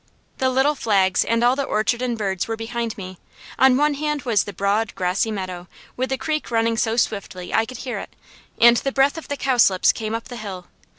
The little flags and all the orchard and birds were behind me; on one hand was the broad, grassy meadow with the creek running so swiftly, I could hear it, and the breath of the cowslips came up the hill.